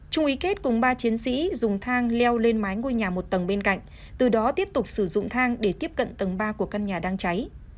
trung ý kết cùng ba chiến sĩ dùng thang leo lên mái ngôi nhà một tầng bên cạnh từ đó tiếp tục sử dụng thang để tiếp cận tầng ba của căn nhà đang cháy